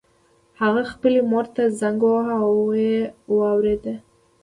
هغه خپلې مور ته زنګ وواهه او ويې واورېده.